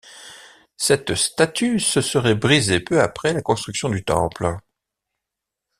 Cette statue se serait brisée peu après la construction du temple.